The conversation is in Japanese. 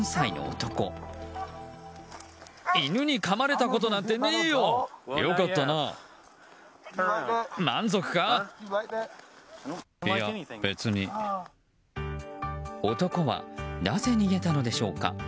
男はなぜ逃げたのでしょうか。